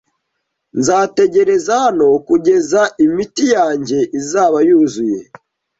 Nzategereza hano kugeza imiti yanjye izaba yuzuye.